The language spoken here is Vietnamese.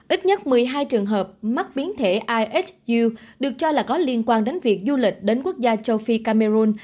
ít nhất một mươi hai trường hợp mắc biến thể isu được cho là có liên quan đến việc du lịch đến quốc gia châu phi cameroon